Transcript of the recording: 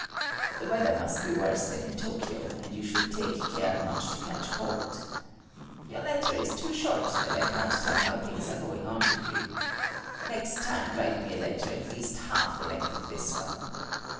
The weather must be worse than in Tokyo, and you should take care not to catch cold. Your letter is too short that I can't tell how things are going on with you. Next time write me a letter at least half the length of this one.